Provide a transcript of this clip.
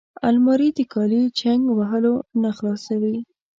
الماري د کالي چینګ وهلو نه خلاصوي